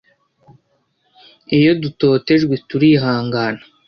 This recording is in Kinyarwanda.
iyo dutotejwe turihangana